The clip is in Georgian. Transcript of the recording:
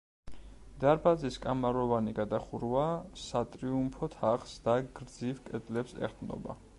დარბაზის კამაროვანი გადახურვა სატრიუმფო თაღს და გრძივ კედლებს ეყრდნობა.